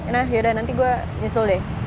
nah yaudah nanti gue nyusul deh